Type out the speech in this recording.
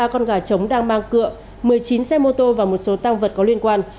ba con gà trống đang mang cựa một mươi chín xe mô tô và một số tăng vật có liên quan